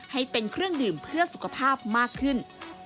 ให้เป็นเครื่องดื่มเพื่อสุขภาพมากขึ้น